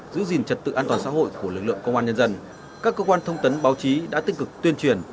giữ gìn trật tự an toàn xã hội của lực lượng công an nhân dân các cơ quan thông tấn báo chí đã tích cực tuyên truyền